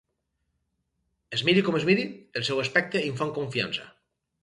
Es miri com es miri, el seu aspecte infon confiança.